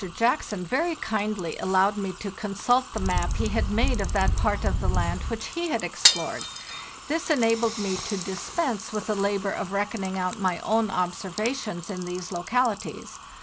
Jack son very kindly allowed me to consult the map he had made of that part of the land which he had explored. This enabled me to dispense with the labor of reckoning A VISITOR (Iustantaneous Photograph) out my own observations in these localities.